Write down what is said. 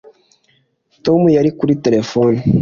tom yari kuri terefone